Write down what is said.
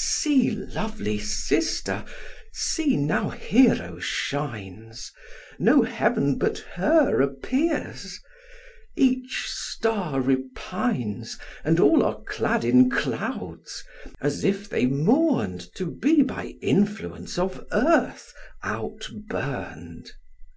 See, lovely sister! see, now Hero shines, No heaven but her appears; each star repines, And all are clad in clouds, as if they mourn'd To be by influence of earth out burn'd.